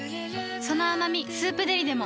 その甘み「スープデリ」でも